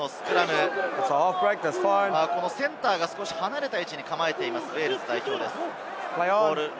センターが少し離れた位置に構えています、ウェールズ代表です。